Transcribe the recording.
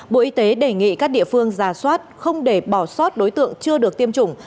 bộ y tế đề nghị các địa phương giả soát không để bỏ sót đối tượng chưa được tiêm chủng